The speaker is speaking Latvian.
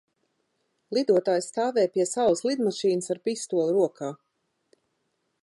Lidotājs stāvēja pie savas lidmašīnas ar pistoli rokā.